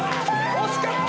惜しかった！